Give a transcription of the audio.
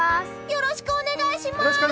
よろしくお願いします！